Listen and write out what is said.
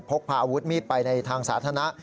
พกพาอาวุธมีดไปในทางสาธารณะ